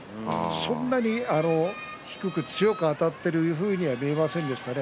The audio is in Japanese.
そんなに低く強くあたっているようには見えませんでした。